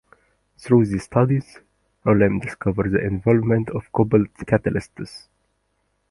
Through these studies, Roelen discovered the involvement of cobalt catalysts.